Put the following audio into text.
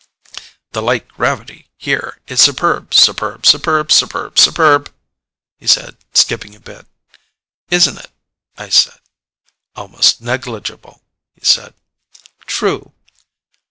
"The light gravity here is superb, superb, superb, superb, superb," he said, skipping a bit. "Isn't it?" I said. "Almost negligible," he said. "True."